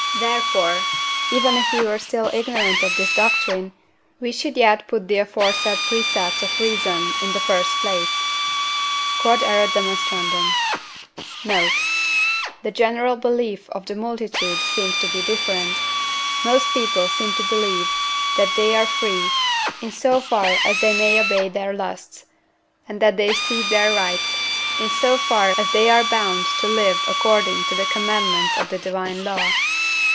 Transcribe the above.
Therefore, even if we were still ignorant of this doctrine, we should yet put the aforesaid precepts of reason in the first place. Q.E.D. Note. The general belief of the multitude seems to be different. Most people seem to believe that they are free, in so far as they may obey their lusts, and that they cede their rights, in so far as they are bound to live according to the commandments of the divine law.